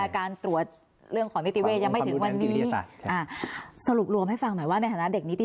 การตรวจเรื่องของนิติเว่ยังไม่ถึงวันนี้